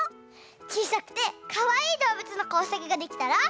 ちいさくてかわいいどうぶつのこうさくができたら。